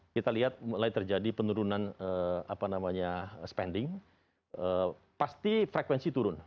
kita lihat mulai terjadi penurunan spending pasti frekuensi turun